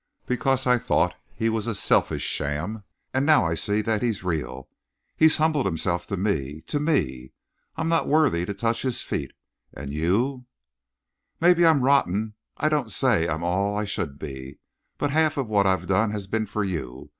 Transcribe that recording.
"Because I thought he was a selfish sham, and now I see that he's real. He's humbled himself to me to me! I'm not worthy to touch his feet! And you " "Maybe I'm rotten. I don't say I'm all I should be, but half of what I've done has been for you.